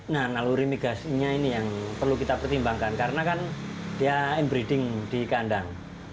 nah naluri migasnya ini yang perlu kita pertimbangkan karena kan dia embreeding di kandang